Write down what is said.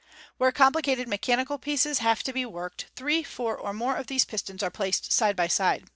Where complicated me chanical pieces have to be worked, three, four, or more of these pistons are placed side by side.